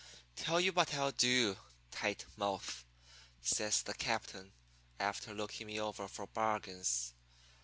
"'Tell you what I'll do, Tight Mouth,' says the captain, after looking me over for bargains.